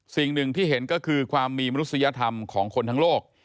สิ่งหนึ่งที่เห็นก็คือความมีมนุษยธรรมของคนทั้งโลก